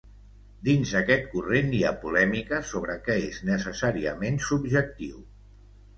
Dins aquest corrent hi ha polèmica sobre què és necessàriament subjectiu.